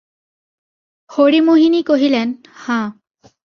হরিমোহিনী কহিলেন, হাঁ।